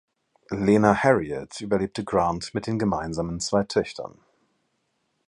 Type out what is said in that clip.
Lena Harriett überlebte Grant mit den gemeinsamen zwei Töchtern.